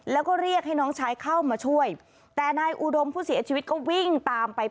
แล้วก็เรียกให้น้องชายเข้ามาช่วยแต่นายอุดมผู้เสียชีวิตก็วิ่งตามไป